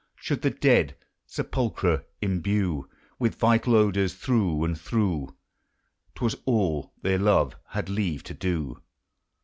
7:J should the dead sepulchre imbue Willi vital odors through and through: T was all their love had leave to do!